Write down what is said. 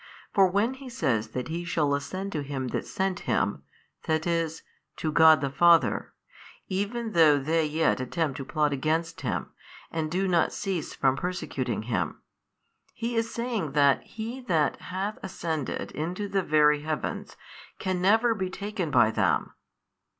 For when He says that He shall ascend to Him That sent Him, that is, to God the Father, even though they yet attempt to plot against Him, and do not cease from persecuting Him, He is saying that He That hath ascended into the very Heavens can never be taken by them.